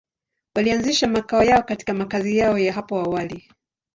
Walianzisha makao yao katika makazi yao ya hapo awali.